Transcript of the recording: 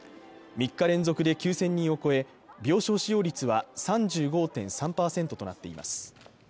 ３日連続で９０００人を超え、病床使用率は３５．３％となっています。